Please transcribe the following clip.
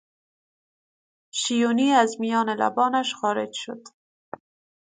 شیونی از میان لبانش خارج شد.